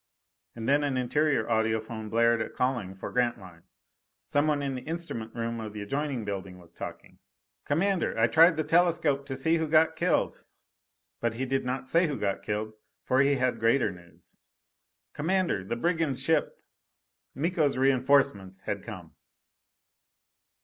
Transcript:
And then an interior audiphone blared a calling for Grantline. Someone in the instrument room of the adjoining building was talking. "Commander, I tried the telescope to see who got killed " But he did not say who got killed, for he had greater news. "Commander! The brigand ship!" Miko's reinforcements had come.